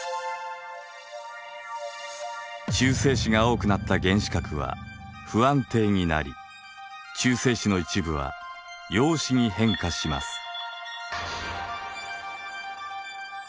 中性子が多くなった原子核は不安定になり中性子の一部は陽子に変化します。